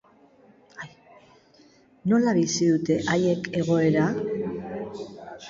Nola bizi dute haiek egoera?